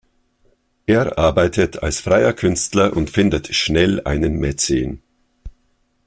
Er arbeitet als freier Künstler und findet schnell einen Mäzen.